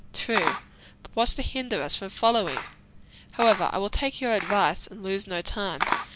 "True, but what's to hinder us from following? However, I will take your advice, and lose no time.